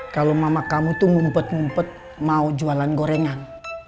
kalau mama kamu tuh ngumpet ngumpet mau jualan gorengan